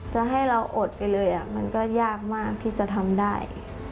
จะให้เราอดไปเลยมันก็ยากมากที่จะทำได้